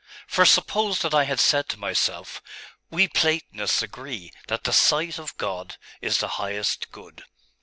'For suppose that I had said to myself, We Platonists agree that the sight of God is the highest good.